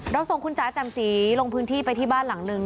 ส่งคุณจ๋าแจ่มสีลงพื้นที่ไปที่บ้านหลังนึง